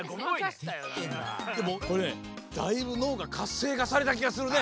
でもこれねだいぶ脳がかっせいかされたきがするね。